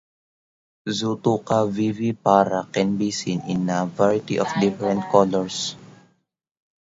"Zootoca vivipara" can be seen in a variety of different colors.